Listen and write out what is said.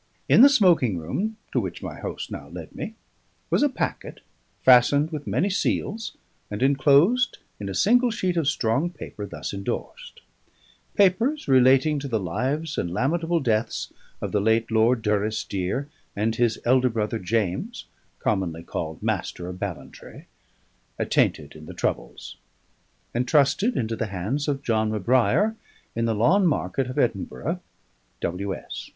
In the smoking room, to which my host now led me, was a packet, fastened with many seals and enclosed in a single sheet of strong paper thus endorsed: Papers relating to the lives and lamentable deaths of the late Lord Durisdeer, and his elder brother James, commonly called Master of Ballantrae, attainted in the troubles: entrusted into the hands of John M'Brair in the Lawnmarket of Edinburgh, W.S.